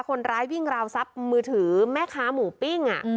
คนร้ายวิ่งราวทรัพย์มือถือแม่ค้าหมูปิ้ง